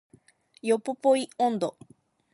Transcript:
ヨポポイ音頭